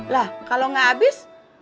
lah kalau gak habis